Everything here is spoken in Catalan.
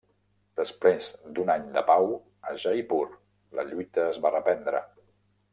Després d'un any de pau a Jaipur, la lluita es va reprendre.